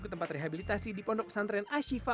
ke tempat rehabilitasi di pondok pesantren ashifa